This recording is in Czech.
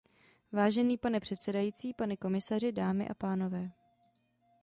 Vážený pane předsedající, pane komisaři, dámy a pánové.